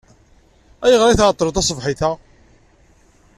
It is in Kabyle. Ayɣer ay tɛeḍḍleḍ taṣebḥit-a?